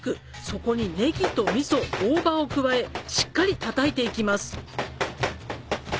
そこにネギと味噌大葉を加えしっかりたたいていきます